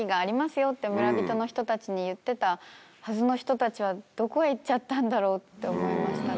よって村人の人たちに言ってたはずの人たちは、どこへ行っちゃったんだろうって思いましたね。